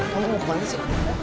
kamu mau kemana sih